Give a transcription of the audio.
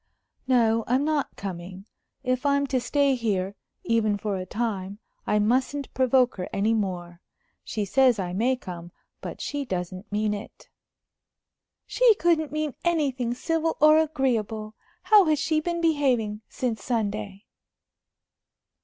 "No, I'm not coming. If I'm to stay here, even for a time, I mustn't provoke her any more. She says I may come, but she doesn't mean it." "She couldn't mean anything civil or agreeable. How has she been behaving since Sunday?"